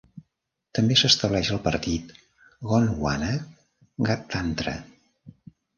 També s'estableix el Partit Gondwana Gadtantra.